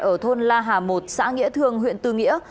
ở thôn la hà một xã nghĩa thương huyện tư nghĩa